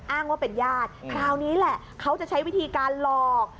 อ้างว่าเป็นญาติคราวนี้แหละเขาจะใช้วิธีการหลอก